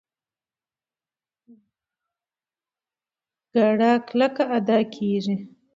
ګړه کلکه ادا کېږي.